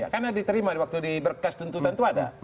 karena diterima waktu di berkas tuntutan itu ada